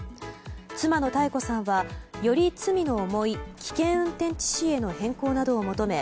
妻の多恵子さんは、より罪の重い危険運転致死への変更などを求め